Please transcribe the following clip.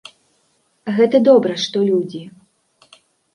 Гэта добра, што людзі.